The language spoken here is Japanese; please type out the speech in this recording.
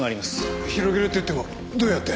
広げるっていってもどうやって？